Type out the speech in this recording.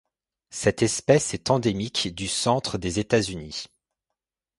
Cette espèce est endémique du centre des États-Unis.